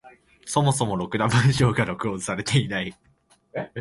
そもそもろくな文章が録音されていない。